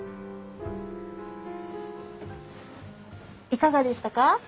いかがでしたか？